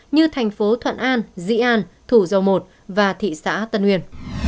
như thành phố thuận an dĩ an thủ dầu một và thị xã tân nguyên